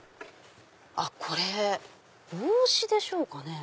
これ帽子でしょうかね。